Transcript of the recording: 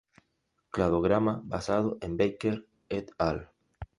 Cladograma basado en Baker "et al".